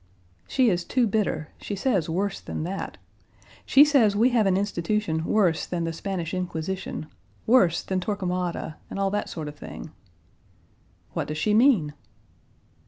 "She is too bitter. She says worse than that. She says we have an institution worse than the Spanish Inquisition, worse than Torquemada, and all that sort of thing." "What does she mean?"